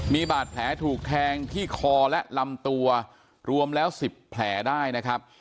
มีบาดแผลถูกแทงที่คอและลำตัวรวมแล้ว๑๐แผลได้นะครับ